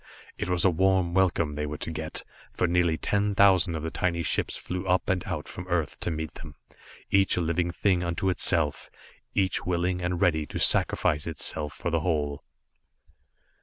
It was a warm welcome they were to get, for nearly ten thousand of the tiny ships flew up and out from Earth to meet them, each a living thing unto itself, each willing and ready to sacrifice itself for the whole.